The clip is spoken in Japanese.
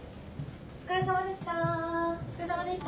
お疲れさまでした。